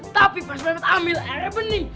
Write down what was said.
tapi pas berambil airnya bening